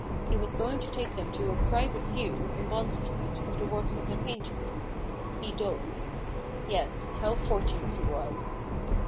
He was going to take HUGO RAVEN S HAND, 175 them to a " private view/' in Bond Street, of the works of a painter. He dozed. Yes : how fortunate he was